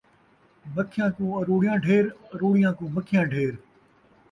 مکھیاں کوں اروڑیاں ڈھیر ، اروڑیاں کوں مکھیاں ڈھیر